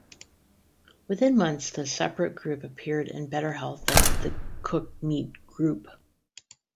Within months this separate group appeared in better health than the cooked meat group.